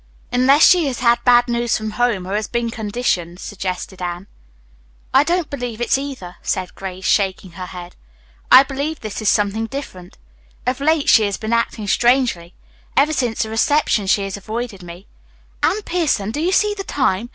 "Unless she has had bad news from home or has been conditioned," suggested Anne. "I don't believe it's either," said Grace, shaking her head. "I believe this is something different. Of late she has been acting strangely. Ever since the reception she has avoided me. Anne Pierson, do you see the time?